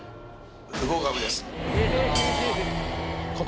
不合格です